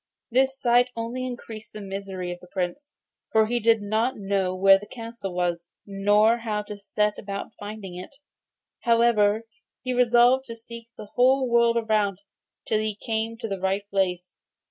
This sight only increased the misery of the Prince, for he did not know where the castle was, nor how to set about finding it. However, he resolved to seek the whole world through till he came to the right place.